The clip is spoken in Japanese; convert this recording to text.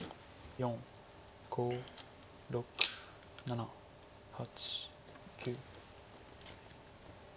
４５６７８。